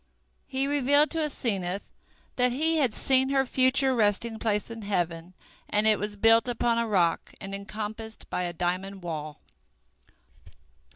He revealed to Asenath that he had seen her future resting place in heaven, and it was built upon a rock and encompassed by a diamond wall.